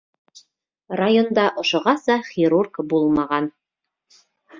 Районда ошоғаса хирург булмаған.